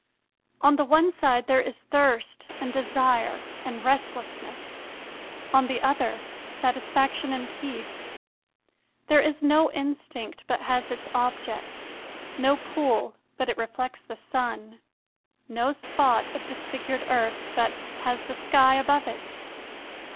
On the one side there is thirst and desire and restless ness; on the other, satisfaction and peace; there is no instinct but has its object, no pool but it reflects the sun, no spot of disfigured earth but has the sky above it.